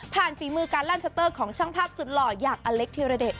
ผ่านฝีมือการลั่นชัตเตอร์ของช่างภาพสุดหล่อยอย่างอเล็กที่ระเด็ก